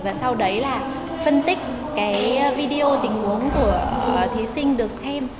và sau đấy là phân tích cái video tình huống của thí sinh được xem